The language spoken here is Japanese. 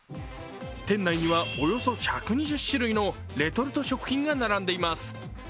店内にはおよそ１２０種類のレトルト食品が並んでいます。